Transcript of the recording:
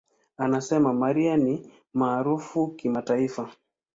Anasema, "Mariah ni maarufu kimataifa.